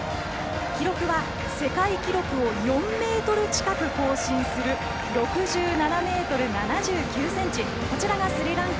記録は世界記録を４ｍ近く更新する６７ｍ７９ｃｍ。